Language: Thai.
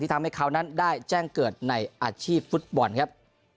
ทำให้เขานั้นได้แจ้งเกิดในอาชีพฟุตบอลครับ